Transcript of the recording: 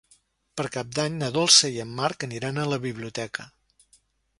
Per Cap d'Any na Dolça i en Marc aniran a la biblioteca.